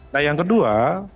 nah yang kedua